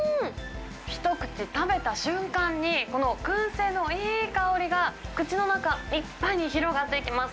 一口食べた瞬間に、このくん製のいい香りが、口の中いっぱいに広がっていきます。